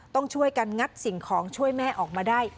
ต้องช่วยกันงัดสิ่งของช่วยแม่ออกมาได้